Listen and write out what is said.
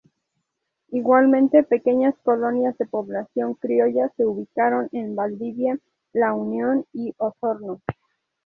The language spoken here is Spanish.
Igualmente, pequeñas colonias de población criolla se ubicaron en Valdivia, La Unión, y Osorno.